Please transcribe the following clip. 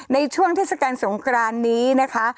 ในช่วงเทศกาลสงครานนี้นะคะ